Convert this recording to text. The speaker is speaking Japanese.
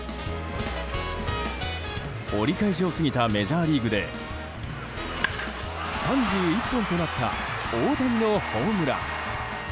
折り返しを過ぎたメジャーリーグで３１本となった大谷のホームラン。